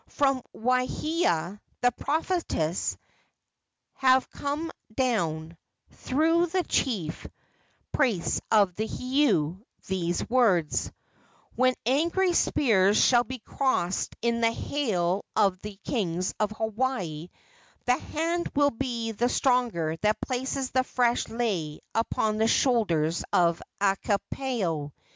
From Waahia, the prophetess, have come down, through the chief priests of the heiau, these words: 'When angry spears shall be crossed in the hale of the kings of Hawaii, the hand will be the stronger that places the fresh lei upon the shoulders of Akuapaao.'